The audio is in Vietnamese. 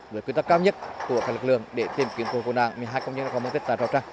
với quy tắc cao nhất của các lực lượng để tìm kiếm của quân đoàn một mươi hai công nhân mắc tích ở rào trang ba